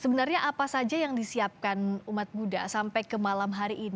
sebenarnya apa saja yang disiapkan umat buddha sampai ke malam hari ini